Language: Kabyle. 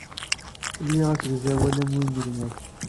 Liɣ asegzawal am win n gma-k.